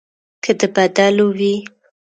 که د بدلو وي.